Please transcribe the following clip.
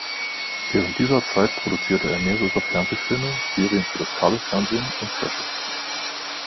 Während dieser Zeit produzierte er mehrere Fernsehfilme, Serien für das Kabelfernsehen und Specials.